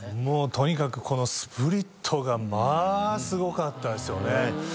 もうとにかくこのスプリットがまあすごかったですよね。